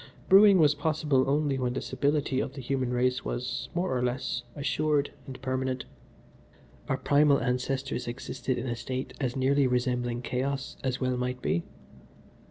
"Brewing was possible only when the stability of the human race was, more or less, assured and permanent. Our primal ancestors existed in a state as nearly resembling chaos as well might be.